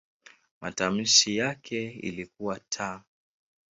Matamshi yake ilikuwa "t".